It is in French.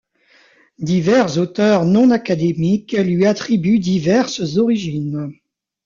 Divers auteurs non académiques lui attribuent diverses origines.